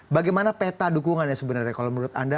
bagaimana peta dukungan ya sebenarnya kalau menurut anda